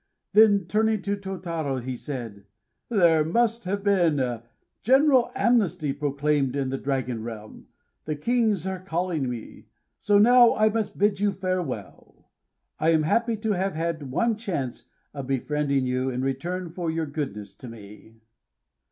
Then, turning to Tôtarô, he said: "There must have been a general amnesty proclaimed in the Dragon Realm; the Kings are calling me. So now I must bid you farewell. I am happy to have had one chance of befriending you in return for your goodness to me."